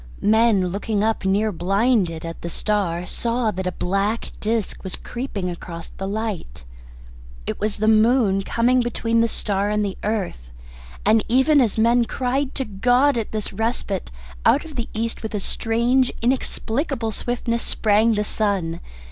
Men looking up, near blinded, at the star, saw that a black disc was creeping across the light. It was the moon, coming between the star and the earth. And even as men cried to God at this respite, out of the East with a strange inexplicable swiftness sprang the sun.